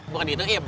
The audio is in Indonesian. bukan gitu ya